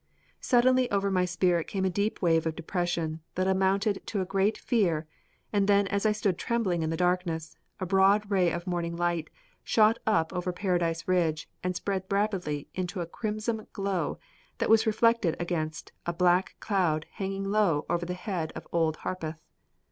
Suddenly over my spirit came a deep wave of depression that amounted to a great fear and then as I stood trembling in the darkness, a broad ray of morning light shot up over Paradise Ridge and spread rapidly into a crimson glow that was reflected against a black cloud hanging low over the head of Old Harpeth.